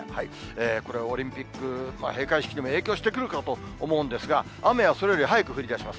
これ、オリンピック閉会式にも影響してくるかと思うんですが、雨はそれより早く降りだします。